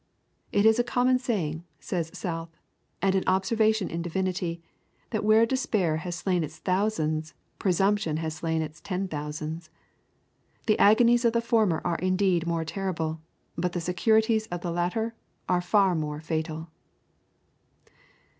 'It is a common saying,' says South, 'and an observation in divinity, that where despair has slain its thousands, presumption has slain its ten thousands. The agonies of the former are indeed more terrible, but the securities of the latter are far more fatal.'